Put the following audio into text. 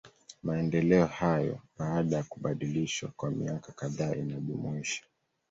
Maendeleo hayo, baada ya kubadilishwa kwa miaka kadhaa inajumuisha.